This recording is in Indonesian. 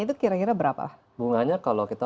itu kira kira berapa bunganya kalau kita